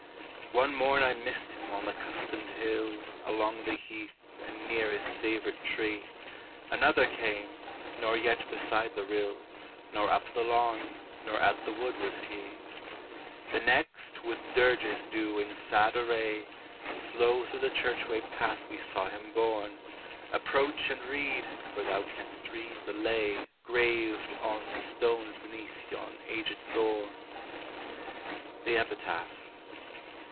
"One morn I missed him on the customed hill, Along the heath, and near his favorite tree; Another came; nor yet beside the rill, Nor up the lawn, nor at the wood was he; "The next, with dirges due in sad array, Slow through the church way path we saw him borne. Approach and read (for thou canst read) the lay Graved on the stone beneath yon aged thorn." THE EPITAPH.